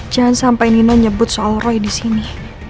jangan sampai nino nyebut soal roy disini